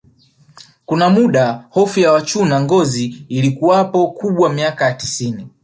Kuna muda hofu ya wachuna ngozi ilikuwapo kubwa miaka ya tisini